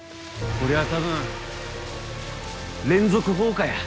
こりゃ多分連続放火や。